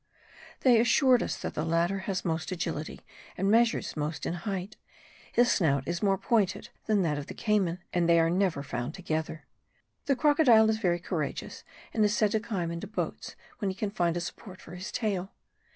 They assured us that the latter has most agility, and measures most in height: his snout is more pointed than that of the cayman, and they are never found together. The crocodile is very courageous and is said to climb into boats when he can find a support for his tail.